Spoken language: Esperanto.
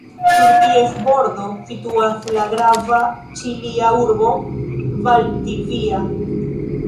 Sur ties bordo situas la grava ĉilia urbo Valdivia.